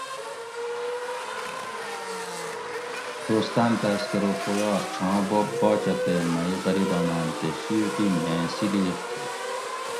دوستاۤن تاۤس کہۤ ارو پو یار چھاں بوب باچہ تے مہ ئ غریباۤناۤن تے شیٹ ئ میں سیلیق تھی